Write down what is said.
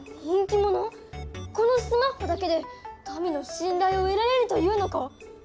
このすまっほだけで民の信頼を得られるというのか？